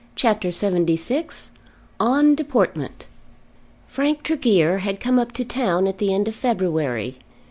CHAPTER LXXVI On Deportment Frank Tregear had come up to town at the end of February.